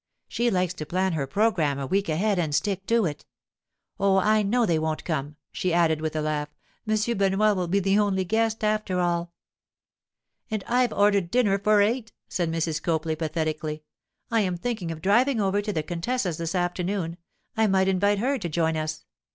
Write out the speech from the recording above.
She likes to plan her programme a week ahead and stick to it. Oh, I know they won't come,' she added with a laugh. 'M. Benoit will be the only guest, after all.' 'And I've ordered dinner for eight!' said Mrs. Copley, pathetically. 'I am thinking of driving over to the contessa's this afternoon—I might invite her to join us.